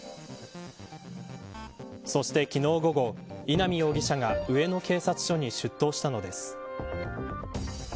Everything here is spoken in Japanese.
そして、昨日午後稲見容疑者が上野警察署に出頭したのです。